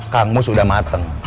kang emus udah mateng